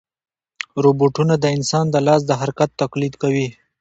روبوټونه د انسان د لاس د حرکت تقلید کوي.